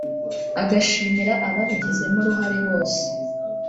agashimira ababigizemo uruhare bose